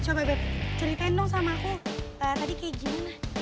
coba beb ceritain dong sama aku tadi kayak gimana